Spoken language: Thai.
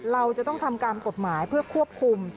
เราจะต้องทำตามกฎหมายเพื่อควบคุม